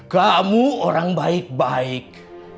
kamu orang baik baik